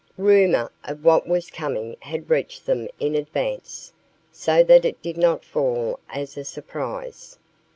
Rumor of what was coming had reached them in advance, so that it did not fall as a surprise.